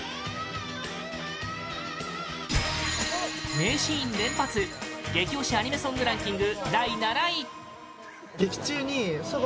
名シーン連発激推しアニメソングランキング